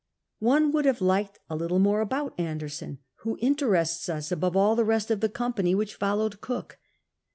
One would have liked a little more about Anderson, who interests us above all the rest of tlie company which followed Cook.